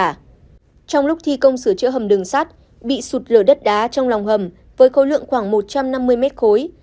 trong lúc thi công sửa chữa hầm đường sắt bị sụt lở đất đá trong lòng hầm với khối lượng khoảng một trăm năm mươi mét khối